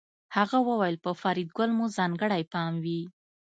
هغه وویل په فریدګل مو ځانګړی پام وي